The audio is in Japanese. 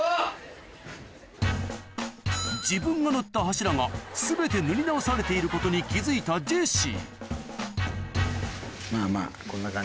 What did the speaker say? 自分が塗った柱が全て塗り直されていることに気付いたジェシーまぁまぁ。